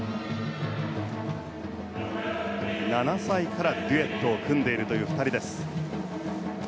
７歳からデュエットを組んでいるという２人。